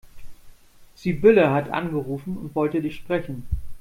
Sibylle hat angerufen und wollte dich sprechen.